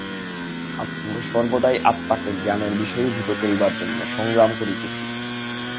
আমরা সর্বদাই আত্মাকে জ্ঞানের বিষয়ীভূত করিবার জন্য সংগ্রাম করিতেছি।